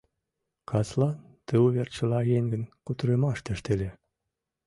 Каслан ты увер чыла еҥын кутырымаштышт ыле.